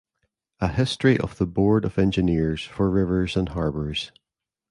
A history of the Board of Engineers for Rivers and Harbors